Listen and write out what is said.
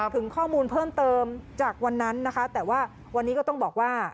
ถึงข้อมูลเพิ่มเติมจากวันนั้นนะคะแต่ว่าวันนี้ก็ต้องบอกว่า